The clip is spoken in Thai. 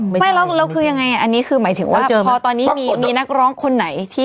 ไม่รู้แล้วคือยังไงนักร้องคนไหนที่